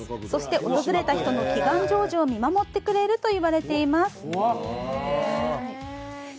そして訪れた人の祈願成就を見守ってくれると言われています。